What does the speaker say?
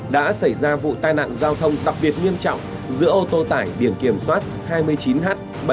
đã xảy ra vụ tai nạn giao thông đặc biệt nghiêm trọng giữa ô tô tải biển kiểm soát hai mươi chín h bảy mươi bảy nghìn một mươi sáu